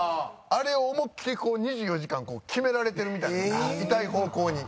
あれを思いっきりこう２４時間きめられてるみたいな痛い方向に。